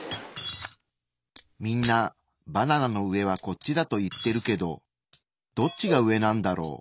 みんなバナナの上はこっちだと言ってるけどどっちが上なんだろう？